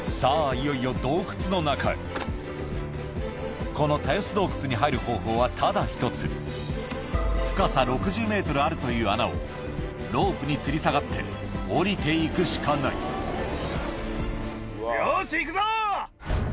いよいよ洞窟の中へこのタヨス洞窟に入る方法はただ１つあるという穴をロープにつり下がって下りて行くしかないよし行くぞ！